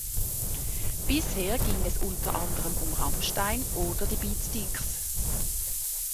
Bisher ging es unter anderem um Rammstein oder die Beatsteaks.